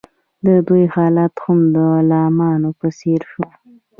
د دوی حالت هم د غلامانو په څیر شو.